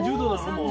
もう。